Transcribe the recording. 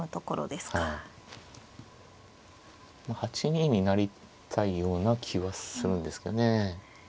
８二に成りたいような気はするんですけどね。